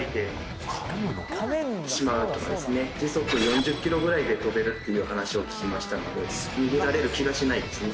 時速４０ｋｍぐらいで飛べるっていう話を聞きましたので逃げられる気がしないですね